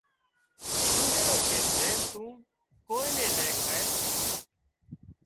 اونۮيڙو ڪي زي تون ڪوئي نين نين کائي